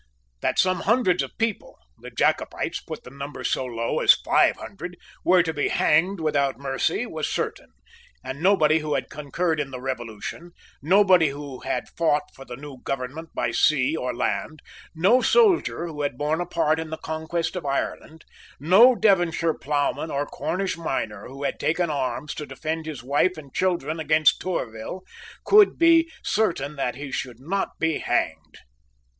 That some hundreds of people, the Jacobites put the number so low as five hundred, were to be hanged without mercy was certain; and nobody who had concurred in the Revolution, nobody who had fought for the new government by sea or land, no soldier who had borne a part in the conquest of Ireland, no Devonshire ploughman or Cornish miner who had taken arms to defend his wife and children against Tourville, could be certain that he should not be hanged.